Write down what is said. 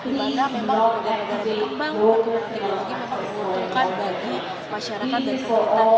dimana memang negara negara yang kembang perkembangan teknologi memang membutuhkan bagi masyarakat dan komunitas